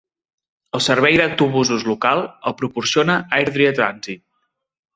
El servei d'autobusos local el proporciona Airdrie Transit.